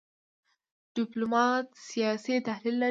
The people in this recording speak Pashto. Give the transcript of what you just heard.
ډيپلومات سیاسي تحلیل لري .